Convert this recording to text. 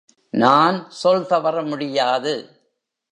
நான் சொல் தவற முடியாது.